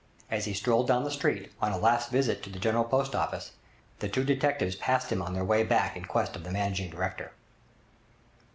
As he strolled down the street, on a last visit to the General Post Office, the two detectives passed him on their way back in quest of the 'Managing Director'.